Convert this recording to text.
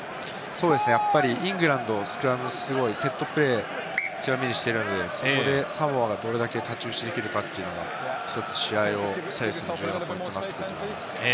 イングランド、スクラム、すごいセットプレー、強みにしているので、そこでサモアがどれだけ太刀打ちできるかというのが、１つ試合を左右する重要なポイントになってくると思います。